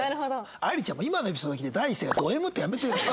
愛理ちゃんも今のエピソード聞いて第一声が「ドＭ」ってやめてよ。